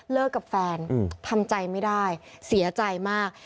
เลิกกับแฟนอืมทำใจไม่ได้เสียใจมาก